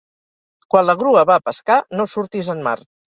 Quan la grua va a pescar, no surtis en mar.